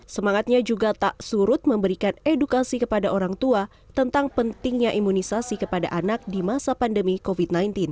semangatnya juga tak surut memberikan edukasi kepada orang tua tentang pentingnya imunisasi kepada anak di masa pandemi covid sembilan belas